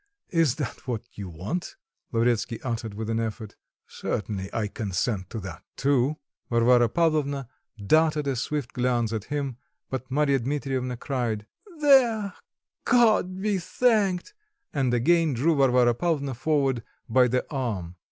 Is that what you want?" Lavretsky uttered with an effort. "Certainly, I consent to that too." Varvara Pavlovna darted a swift glance at him, but Marya Dmitrievna cried: "There, God be thanked!" and again drew Varvara Pavlvona forward by the arm.